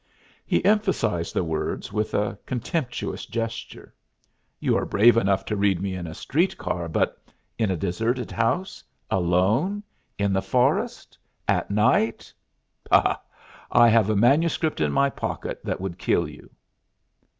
He emphasized the words with a contemptuous gesture. "You are brave enough to read me in a street car, but in a deserted house alone in the forest at night! Bah! I have a manuscript in my pocket that would kill you."